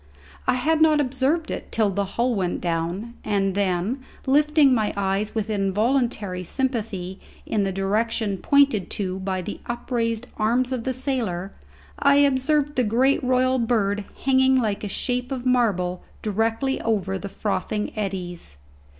I had not observed it till the hull went down, and then, lifting my eyes with involuntary sympathy in the direction pointed to by the upraised arms of the sailor, I observed the great royal bird hanging like a shape of marble directly over the frothing eddies.